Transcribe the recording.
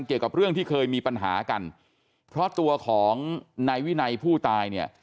เกี่ยวกับเรื่องที่เคยมีปัญหากันเพราะตัวของนายวินัยผู้ตายเนี่ย